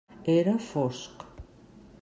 Era fosc.